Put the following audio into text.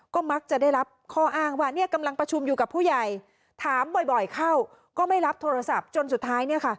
ก็มักจะได้รับข้ออ้างว่าเนี่ยกำลังประชุมอยู่กับผู้ใหญ่ถามบ่อยเข้าก็ไม่รับโทรศัพท์จนสุดท้ายเนี่ยค่ะ